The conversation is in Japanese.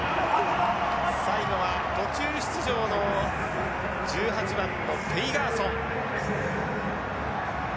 最後は途中出場の１８番のフェイガーソン。